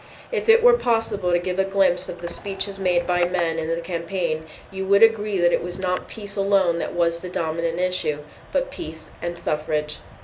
If it were possible to give a glimpse of the speeches made by men in that campaign, you would agree that it was not peace alone that was the dominant issue, but peace and suffrage.